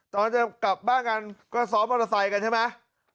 ตอนจะกลับบ้านกันก็ซ้อมมอเตอร์ไซค์กันใช่ไหม